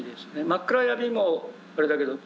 真っ暗闇もあれだけど。